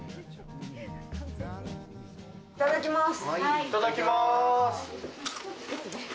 いただきます。